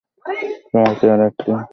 তোমার চেহারায় একটা মূর্তি-মূর্তি ভাব আছে।